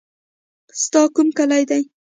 ستا کوم کلی دی.